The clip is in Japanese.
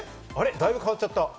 だいぶ変わっちゃった。